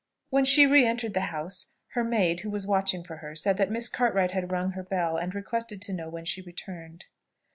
When she re entered the house, her maid, who was watching for her, said that Miss Cartwright had rung her bell, and requested to know when she returned.